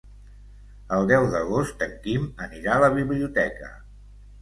El deu d'agost en Quim anirà a la biblioteca.